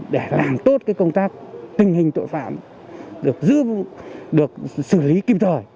để làm tốt công tác tình hình tội phạm được giữ vụ được xử lý kịp thời